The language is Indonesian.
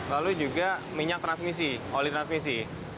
lalu juga minyak transmisi oli transmisi